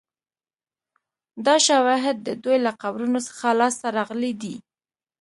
دا شواهد د دوی له قبرونو څخه لاسته راغلي دي